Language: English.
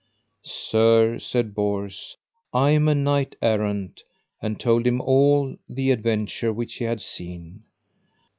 Sir, said Bors, I am a knight errant; and told him all the adventure which he had seen.